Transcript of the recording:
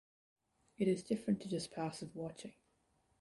It is different to just passive watching.